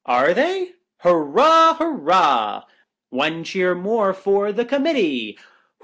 — Are they 1 Hurrah ! hurrah ! One cheer more for the Committee